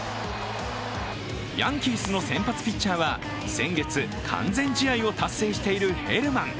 ヤンキースの先発ピッチャーは先月、完全試合を達成しているヘルマン。